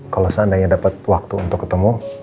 kalau seandainya dapat waktu untuk ketemu